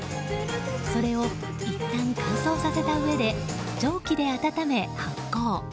それをいったん乾燥させたうえで蒸気で温め発酵。